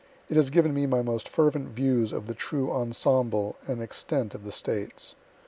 It has given me my most fervent views of the true ensemble and extent of the States.